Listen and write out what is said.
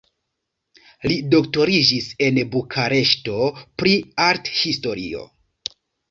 Li doktoriĝis en Bukareŝto pri arthistorio.